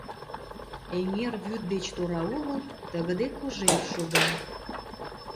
Эҥер вӱд деч тора огыл тыгыде кожер шога.